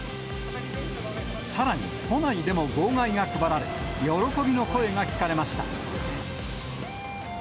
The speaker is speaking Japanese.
さらに、都内でも号外が配られ、喜びの声が聞かれました。